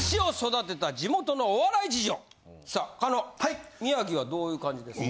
さあ狩野宮城はどういう感じですか？